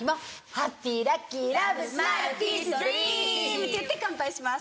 ハッピーラッキーラブスマイルピースドリーム！って言って乾杯します。